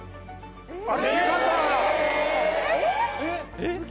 えっ！